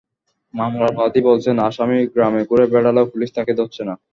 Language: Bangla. মামলার বাদী বলছেন, আসামি গ্রামে ঘুরে বেড়ালেও পুলিশ তাঁকে ধরছে না।